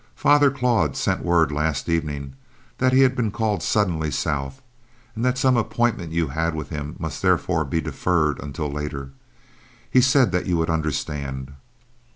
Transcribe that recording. Father Claude sent word last evening that he had been called suddenly south, and that some appointment you had with him must therefore be deferred until later. He said that you would understand."